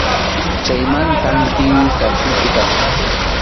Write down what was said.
Chaymantam tiyuy karsilpi kasqa.